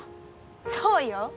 そうよ